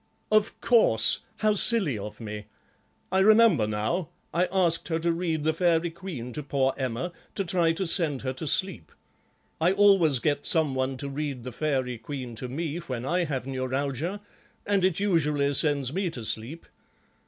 "Of course, how silly of me. I remember now, I asked her to read the Faerie Queene to poor Emma, to try to send her to sleep. I always get some one to read the Faerie Queene to me when I have neuralgia, and it usually sends me to sleep.